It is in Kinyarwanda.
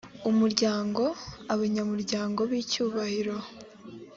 umuryango abanyamuryango b icyubahiro